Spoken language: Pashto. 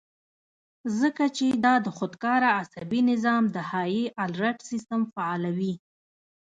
ځکه چې دا د خودکار اعصابي نظام د هائي الرټ سسټم فعالوي